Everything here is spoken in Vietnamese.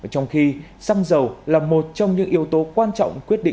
trong khi xăng dầu là một trong những yếu tố quan trọng quyết định